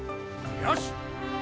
よし！